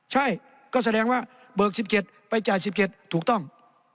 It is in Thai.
ใช่ก็แสดงว่าเบิก๑๗ไปจ่าย๑๗ถูกต้อง